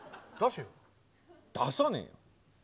出さねえよ。